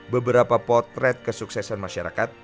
beberapa potret kesuksesan masyarakat